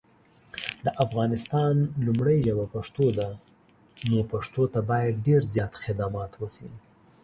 د افغانستان لومړی ژبه پښتو ده نو پښتو ته باید دیر زیات خدمات وشي